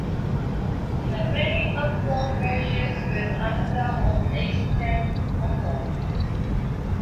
The main apron measures with another on Eastern apron.